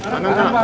kanan pak kanan pak